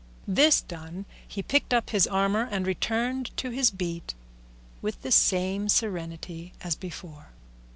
This done, he picked up his armour and returned to his beat with the same serenity as before.